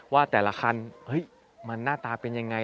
ว่าแต่ละคันมันหน้าตาเป็นยังไง